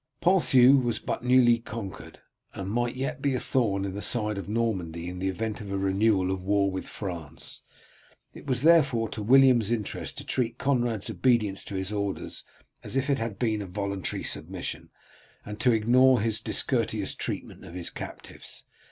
Ponthieu was but newly conquered, and might yet be a thorn in the side of Normandy in the event of a renewal of war with France. It was therefore to William's interest to treat Conrad's obedience to his orders as if it had been a voluntary submission, and to ignore his discourteous treatment of his captives.